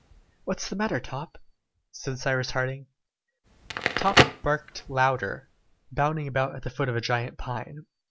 "What is the matter, Top?" said Cyrus Harding. Top barked louder, bounding about at the foot of a gigantic pine.